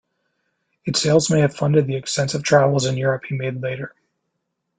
Its sales may have funded the extensive travels in Europe he made later.